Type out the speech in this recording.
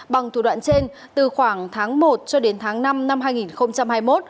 bằng thủ đoạn trên từ khoảng tháng một cho đến tháng năm năm hai nghìn hai mươi một